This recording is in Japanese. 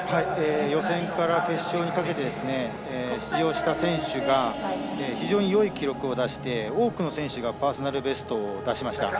予選から決勝にかけて出場した選手が非常によい記録を出して多くの選手がパーソナルベストを出しました。